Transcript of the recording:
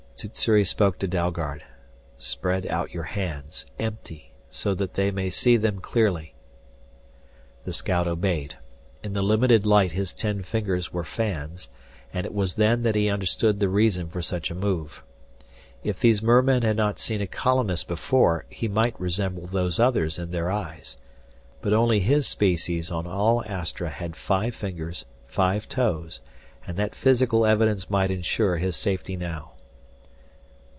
Sssuri spoke to Dalgard. "Spread out your hands empty so that they may see them clearly!" The scout obeyed. In the limited light his ten fingers were fans, and it was then that he understood the reason for such a move. If these mermen had not seen a colonist before, he might resemble Those Others in their eyes. But only his species on all Astra had five fingers, five toes, and that physical evidence might insure his safety now.